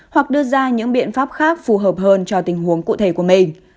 hoặc đưa ra những biện pháp khác phù hợp hơn cho tình huống cụ thể của mình